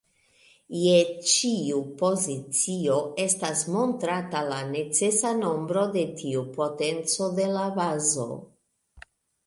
Je ĉiu pozicio, estas montrata la necesa nombro de tiu potenco de la bazo.